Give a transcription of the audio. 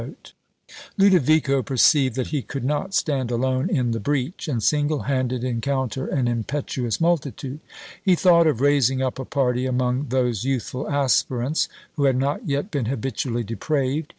Lodovico perceived that he could not stand alone in the breach, and single handed encounter an impetuous multitude. He thought of raising up a party among those youthful aspirants who had not yet been habitually depraved.